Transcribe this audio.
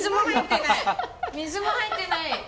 水も入ってない。